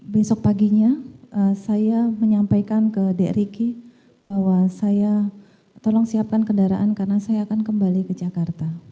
besok paginya saya menyampaikan ke dk ricky bahwa saya tolong siapkan kendaraan karena saya akan kembali ke jakarta